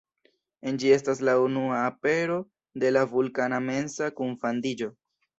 En ĝi estas la unua apero de la Vulkana mensa kunfandiĝo.